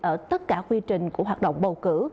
ở tất cả quy trình của hoạt động bầu cử